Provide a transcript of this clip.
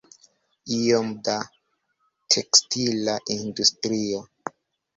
Iom da tekstila industrio.